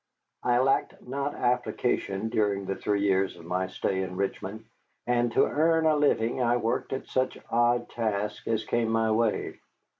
I lacked not application during the three years of my stay in Richmond, and to earn my living I worked at such odd tasks as came my way.